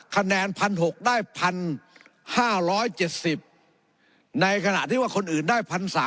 คะแนน๑๖๐๐ได้๑๕๗๐ในขณะที่ว่าคนอื่นได้๑๓๐๐